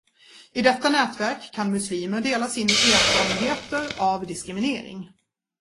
I detta nätverk kan muslimer dela sin erfarenheter av diskriminering.